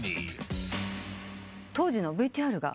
当時のＶＴＲが。